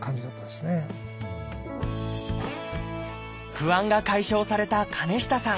不安が解消された鐘下さん。